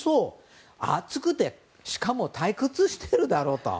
暑くてしかも、退屈しているだろうと。